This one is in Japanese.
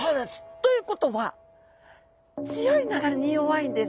ということは強い流れに弱いんです。